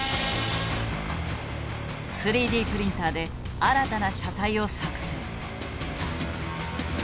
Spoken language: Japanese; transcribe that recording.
３Ｄプリンターで新たな車体を作製。